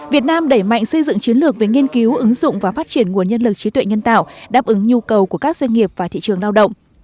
việt nam đẩy mạnh xây dựng chiến lược về nghiên cứu ứng dụng và phát triển nguồn nhân lực trí tuệ nhân tạo đáp ứng nhu cầu của các doanh nghiệp và thị trường lao động